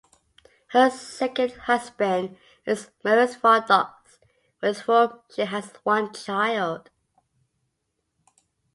Her second husband is Maurice Vaudaux, with whom she has one child.